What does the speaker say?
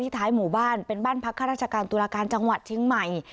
ท้ายหมู่บ้านเป็นบ้านพักข้าราชการตุลาการจังหวัดเชียงใหม่